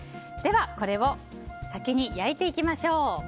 では、これを先に焼いていきましょう。